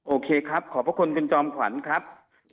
โอเคครับขอบพระคุณคุณจอมขวัญครับ